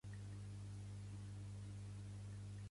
Preguem perquè en el cel sempre hi hagi un àngel que digui amén.